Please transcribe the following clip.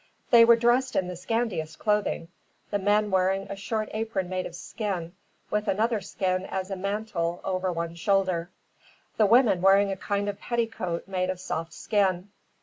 They were dressed in the scantiest clothing the men wearing a short apron made of skin, with another skin as a mantle over one shoulder; the women wearing a kind of petticoat, made of soft skin.